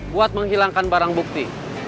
buat menghilangkan barang bukti